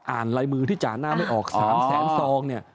ลายมือที่จ่าหน้าไม่ออก๓แสนซองเนี่ย